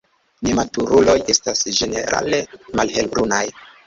Nematuruloj estas ĝenerale malhelbrunaj.